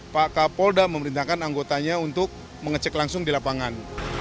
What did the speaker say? pak kapolda memerintahkan anggotanya untuk mengecek langsung di lapangan